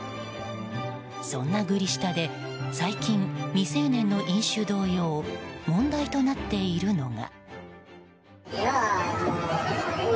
そんなグリ下で最近、未成年の飲酒同様問題となっているのが。